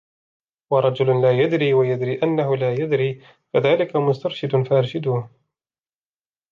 وَرَجُلٌ لَا يَدْرِي وَيَدْرِي أَنَّهُ لَا يَدْرِي فَذَلِكَ مُسْتَرْشِدٌ فَأَرْشِدُوهُ